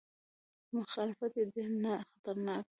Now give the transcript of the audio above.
مخالفت یې ډېر خطرناک دی.